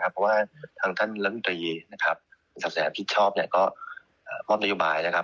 เพราะว่าทางท่านล้ำตรีศักดิ์แสนผิดชอบก็มอบนายุบายนะครับ